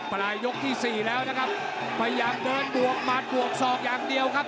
ปลายยกที่สี่แล้วนะครับพยายามเดินบวกหมัดบวกศอกอย่างเดียวครับ